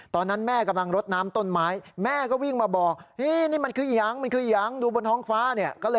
ตอนนั้นแม่กำลังรดน้ำต้นไม้แม่ก็วิ่งมาบอก